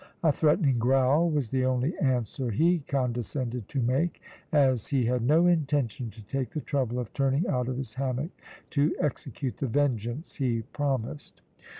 A threatening growl was the only answer he condescended to make, as he had no intention to take the trouble of turning out of his hammock to execute the vengeance he promised.